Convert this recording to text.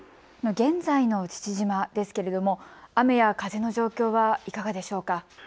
現在の父島ですけれども雨や風の状況はいかがでしょうか。